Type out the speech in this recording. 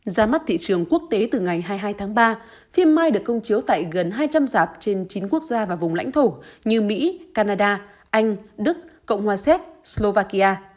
giá mắt thị trường quốc tế từ ngày hai mươi hai tháng ba phim mai được công chiếu tại gần hai trăm linh giảp trên chín quốc gia và vùng lãnh thổ như mỹ canada anh đức cộng hòa séc slovakia